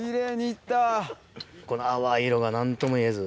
この淡い色が何ともいえず。